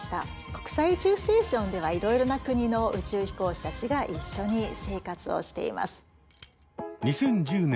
国際宇宙ステーションではいろいろな国の宇宙飛行士たちが一緒に生活をしています。